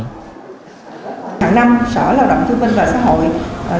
hằng năm sở lao động thương binh và xã hội